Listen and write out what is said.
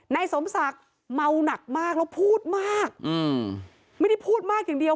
นายสมศักดิ์เมาหนักมากแล้วพูดมากอืมไม่ได้พูดมากอย่างเดียว